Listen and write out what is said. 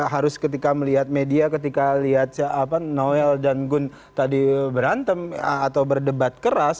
harus ketika melihat media ketika lihat noel dan gun tadi berantem atau berdebat keras